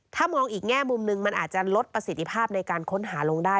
ถ้ามองอีกแง่มุมหนึ่งมันอาจจะลดประสิทธิภาพในการค้นหาลงได้